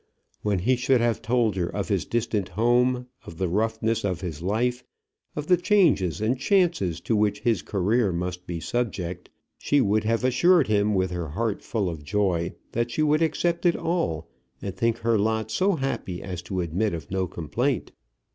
When he should have told her of his distant home, of the roughness of his life, of the changes and chances to which his career must be subject, she would have assured him, with her heart full of joy, that she would accept it all and think her lot so happy as to admit of no complaint.